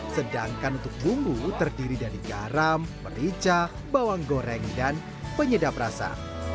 sedangkan untuk bumbu terdiri dari garam merica bawang goreng dan penyedap rasa